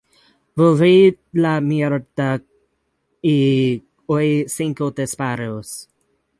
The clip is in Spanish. Volví la mirada y oí cinco disparos".